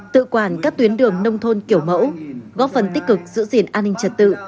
tự quản các tuyến đường nông thôn kiểu mẫu góp phần tích cực giữ gìn an ninh trật tự